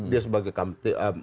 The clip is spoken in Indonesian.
dia sebagai kantor